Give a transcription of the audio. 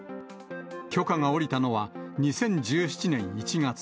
許可が下りたのは２０１７年１月。